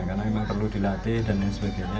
karena memang perlu dilatih dan lain sebagainya